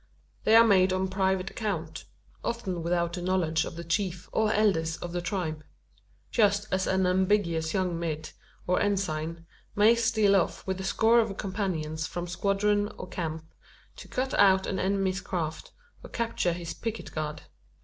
They are made on private account often without the knowledge of the chief, or elders of the tribe just as an ambitious young mid, or ensign, may steal off with a score of companions from squadron or camp, to cut out an enemy's craft, or capture his picket guard.